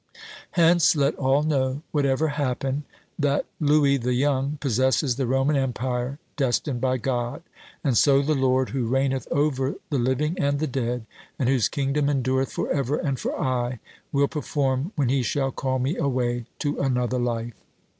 Hence let all know whatever happen, that Louis the Young possesses the Roman empire destined by God. And so the Lord who reigneth over the living and the dead, and whose kingdom endureth for ever and for aye, will perform when he shall call me away to another life."